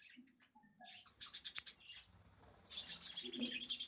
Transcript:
Kitunguu maji Kikubwa moja